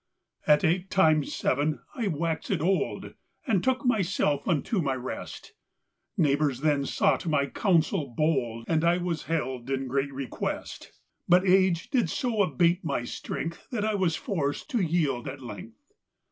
At eight times seven I waxèd old, And took myself unto my rest, Neighbours then sought my counsel bold, And I was held in great request; But age did so abate my strength, That I was forced to yield at length.